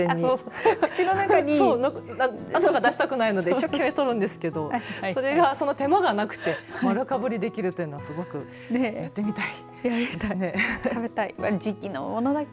口の中にわざわざ出したくないので一生懸命取るんですけどその手間がなくて丸かぶりできるというのをすごくやってみたい。